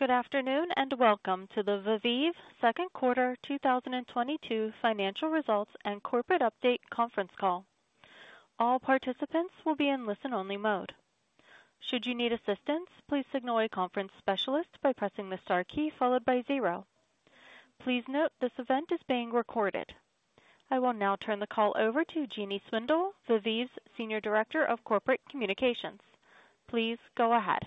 Good afternoon, and welcome to the Viveve Second Quarter 2022 Financial Results and Corporate Update Conference Call. All participants will be in listen-only mode. Should you need assistance, please signal a conference specialist by pressing the star key followed by zero. Please note this event is being recorded. I will now turn the call over to Jeannie Swindle, Viveve's Senior Director of Corporate Communications. Please go ahead.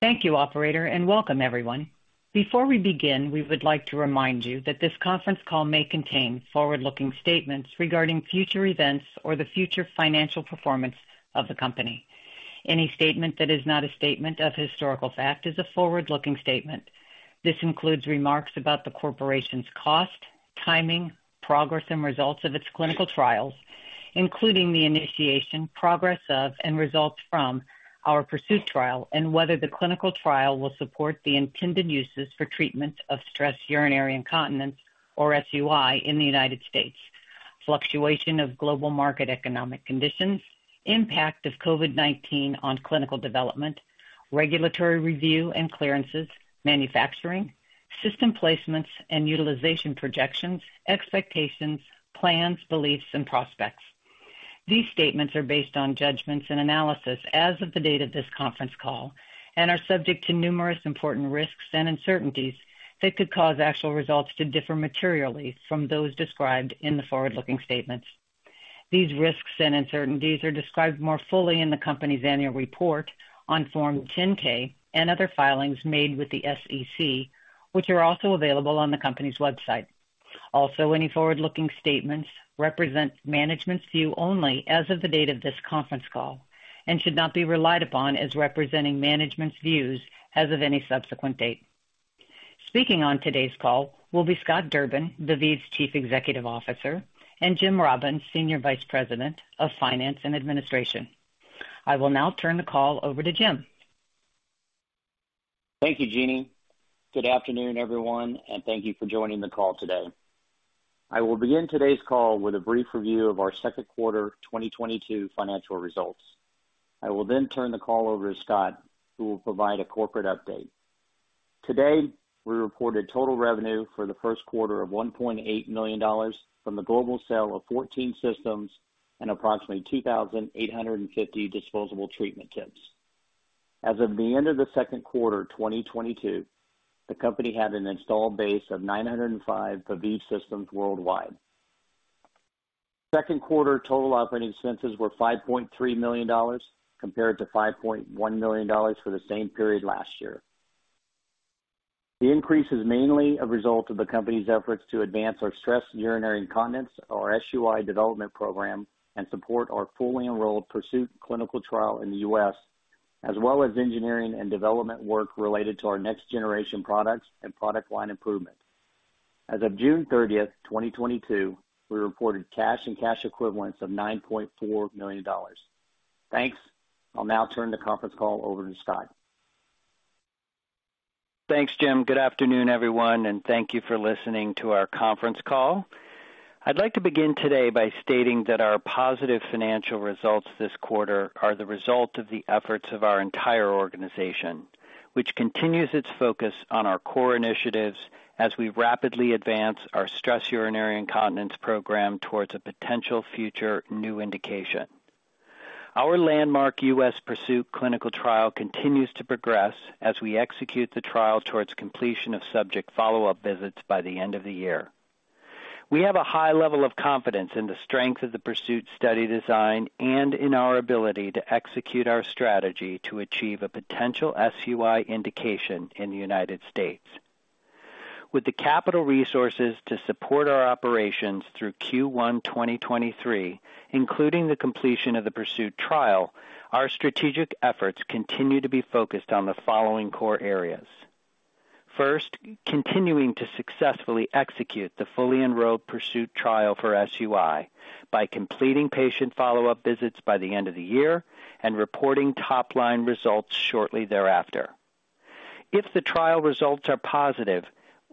Thank you, operator, and welcome everyone. Before we begin, we would like to remind you that this conference call may contain forward-looking statements regarding future events or the future financial performance of the company. Any statement that is not a statement of historical fact is a forward-looking statement. This includes remarks about the corporation's cost, timing, progress and results of its clinical trials, including the initiation, progress of, and results from our PURSUIT trial and whether the clinical trial will support the intended uses for treatment of stress urinary incontinence or SUI in the United States. Fluctuation of global market economic conditions, impact of COVID-19 on clinical development, regulatory review and clearances, manufacturing, system placements and utilization projections, expectations, plans, beliefs and prospects. These statements are based on judgments and analysis as of the date of this conference call and are subject to numerous important risks and uncertainties that could cause actual results to differ materially from those described in the forward-looking statements. These risks and uncertainties are described more fully in the company's annual report on Form 10-K and other filings made with the SEC, which are also available on the company's website. Also, any forward-looking statements represent management's view only as of the date of this conference call and should not be relied upon as representing management's views as of any subsequent date. Speaking on today's call will be Scott Durbin, Viveve's Chief Executive Officer, and Jim Robbins, Senior Vice President of Finance and Administration. I will now turn the call over to Jim. Thank you, Jeannie. Good afternoon, everyone, and thank you for joining the call today. I will begin today's call with a brief review of our second quarter 2022 financial results. I will then turn the call over to Scott, who will provide a corporate update. Today, we reported total revenue for the first quarter of $1.8 million from the global sale of 14 systems and approximately 2,850 single-use treatment tips. As of the end of the second quarter 2022, the company had an installed base of 905 Viveve System worldwide. Second quarter total operating expenses were $5.3 million compared to $5.1 million for the same period last year. The increase is mainly a result of the company's efforts to advance our stress urinary incontinence or SUI development program and support our fully enrolled PURSUIT clinical trial in the U.S., as well as engineering and development work related to our next generation products and product line improvements. As of June 30th, 2022, we reported cash and cash equivalents of $9.4 million. Thanks. I'll now turn the conference call over to Scott. Thanks, Jim. Good afternoon, everyone, and thank you for listening to our conference call. I'd like to begin today by stating that our positive financial results this quarter are the result of the efforts of our entire organization, which continues its focus on our core initiatives as we rapidly advance our stress urinary incontinence program towards a potential future new indication. Our landmark U.S. Pursuit clinical trial continues to progress as we execute the trial towards completion of subject follow-up visits by the end of the year. We have a high level of confidence in the strength of the Pursuit study design and in our ability to execute our strategy to achieve a potential SUI indication in the United States. With the capital resources to support our operations through Q1 2023, including the completion of the Pursuit trial, our strategic efforts continue to be focused on the following core areas. First, continuing to successfully execute the fully enrolled Pursuit trial for SUI by completing patient follow-up visits by the end of the year and reporting top-line results shortly thereafter. If the trial results are positive,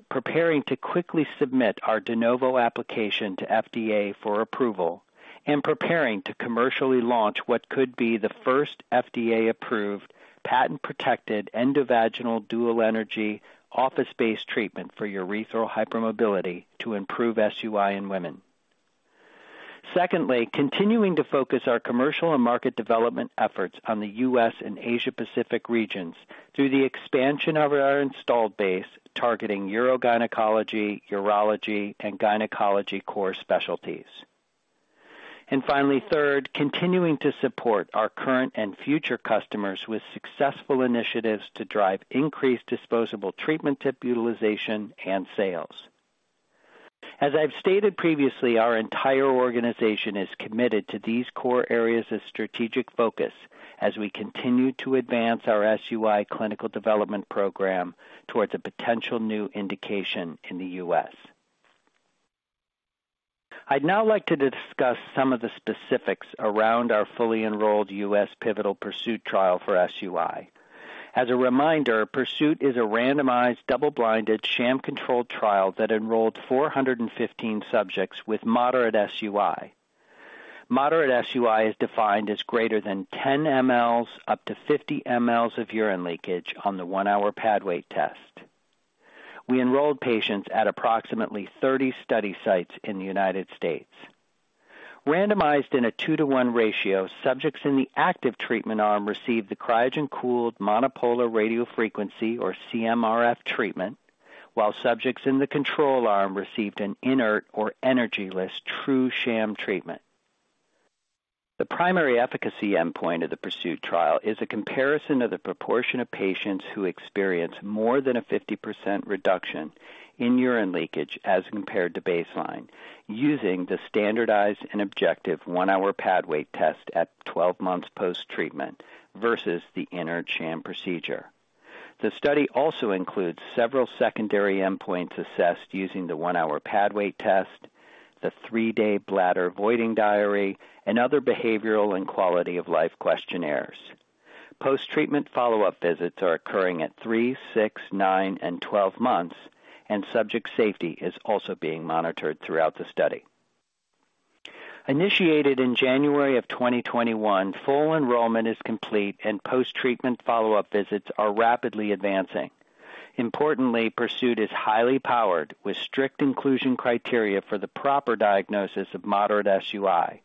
preparing to quickly submit our De Novo application to FDA for approval and preparing to commercially launch what could be the first FDA-approved patent-protected endovaginal dual energy office-based treatment for urethral hypermobility to improve SUI in women. Secondly, continuing to focus our commercial and market development efforts on the U.S. and Asia Pacific regions through the expansion of our installed base, targeting urogynecology, urology, and gynecology core specialties. Finally, third, continuing to support our current and future customers with successful initiatives to drive increased disposable treatment tip utilization and sales. As I've stated previously, our entire organization is committed to these core areas of strategic focus as we continue to advance our SUI clinical development program towards a potential new indication in the U.S. I'd now like to discuss some of the specifics around our fully enrolled U.S. pivotal Pursuit trial for SUI. As a reminder, Pursuit is a randomized, double-blinded, sham-controlled trial that enrolled 415 subjects with moderate SUI. Moderate SUI is defined as greater than 10 mL up to 50 mL of urine leakage on the one-hour pad weight test. We enrolled patients at approximately 30 study sites in the United States. Randomized in a 2-1 ratio, subjects in the active treatment arm received the cryogen-cooled monopolar radiofrequency, or CMRF treatment, while subjects in the control arm received an inert or energy-less true sham treatment. The primary efficacy endpoint of the PURSUIT trial is a comparison of the proportion of patients who experience more than a 50% reduction in urine leakage as compared to baseline using the standardized and objective one-hour pad weight test at 12 months post-treatment vs the inert sham procedure. The study also includes several secondary endpoints assessed using the one-hour pad weight test, the three-day bladder voiding diary, and other behavioral and quality of life questionnaires. Post-treatment follow-up visits are occurring at three, six, nine, and 12 months, and subject safety is also being monitored throughout the study. Initiated in January 2021, full enrollment is complete and post-treatment follow-up visits are rapidly advancing. Importantly, PURSUIT is highly powered with strict inclusion criteria for the proper diagnosis of moderate SUI.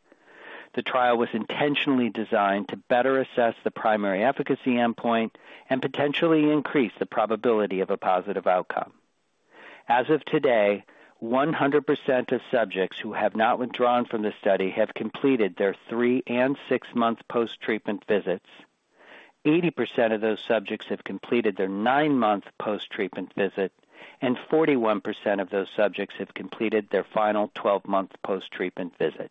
The trial was intentionally designed to better assess the primary efficacy endpoint and potentially increase the probability of a positive outcome. As of today, 100% of subjects who have not withdrawn from the study have completed their three and six-month post-treatment visits. 80% of those subjects have completed their nine-month post-treatment visit, and 41% of those subjects have completed their final 12-month post-treatment visit.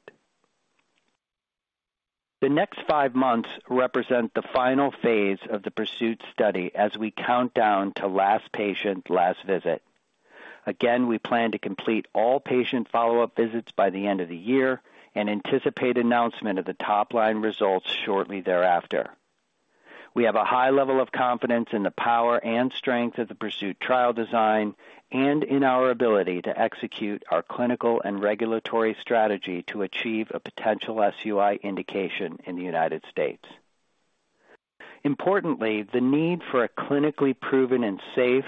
The next five months represent the final phase of the PURSUIT study as we count down to last patient last visit. Again, we plan to complete all patient follow-up visits by the end of the year and anticipate announcement of the top-line results shortly thereafter. We have a high level of confidence in the power and strength of the PURSUIT trial design and in our ability to execute our clinical and regulatory strategy to achieve a potential SUI indication in the United States. Importantly, the need for a clinically proven and safe,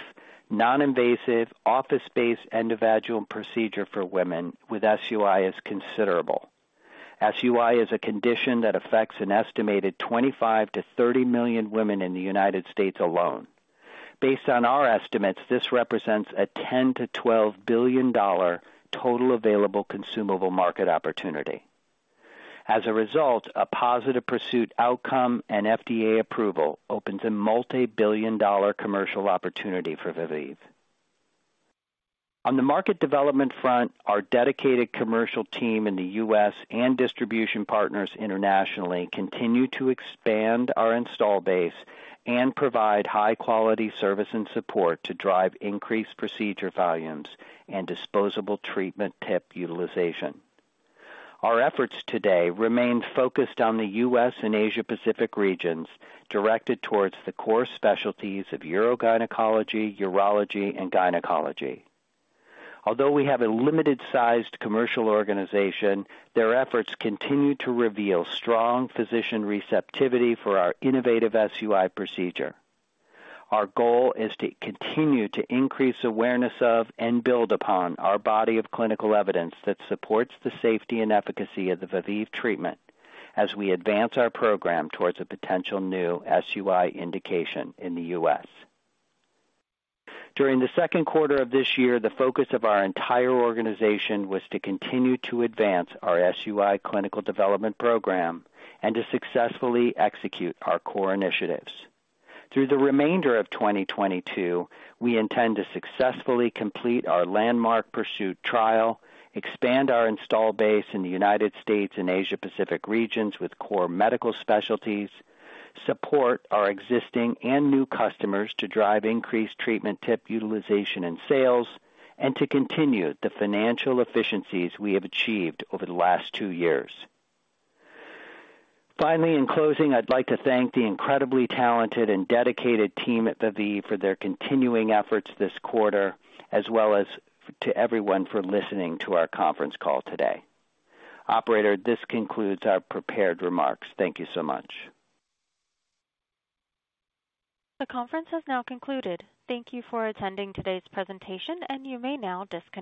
non-invasive, office-based endovaginal procedure for women with SUI is considerable. SUI is a condition that affects an estimated 25-30 million women in the United States alone. Based on our estimates, this represents a $10-$12 billion total available consumable market opportunity. As a result, a positive PURSUIT outcome and FDA approval opens a multibillion-dollar commercial opportunity for Viveve. On the market development front, our dedicated commercial team in the U.S. and distribution partners internationally continue to expand our install base and provide high quality service and support to drive increased procedure volumes and disposable treatment tip utilization. Our efforts today remain focused on the U.S. and Asia Pacific regions, directed towards the core specialties of urogynecology, urology, and gynecology. Although we have a limited sized commercial organization, their efforts continue to reveal strong physician receptivity for our innovative SUI procedure. Our goal is to continue to increase awareness of and build upon our body of clinical evidence that supports the safety and efficacy of the Viveve treatment as we advance our program towards a potential new SUI indication in the U.S. During the second quarter of this year, the focus of our entire organization was to continue to advance our SUI clinical development program and to successfully execute our core initiatives. Through the remainder of 2022, we intend to successfully complete our landmark PURSUIT trial, expand our install base in the United States and Asia Pacific regions with core medical specialties, support our existing and new customers to drive increased treatment tip utilization and sales, and to continue the financial efficiencies we have achieved over the last two years. Finally, in closing, I'd like to thank the incredibly talented and dedicated team at Viveve for their continuing efforts this quarter as well as to everyone for listening to our conference call today. Operator, this concludes our prepared remarks. Thank you so much. The conference has now concluded. Thank you for attending today's presentation, and you may now disconnect.